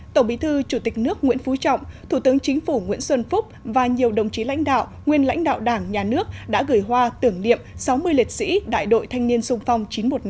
tổng bí thư chủ tịch nước nguyễn phú trọng thủ tướng chính phủ nguyễn xuân phúc và nhiều đồng chí lãnh đạo nguyên lãnh đạo đảng nhà nước đã gửi hoa tưởng niệm sáu mươi liệt sĩ đại đội thanh niên sung phong chín trăm một mươi năm